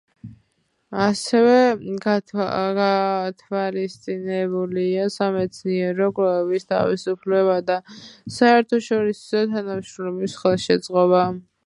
ასევე გათვალისწინებულია სამეცნიერო კვლევების თავისუფლება და საერთაშორისო თანამშრომლობის ხელშეწყობა.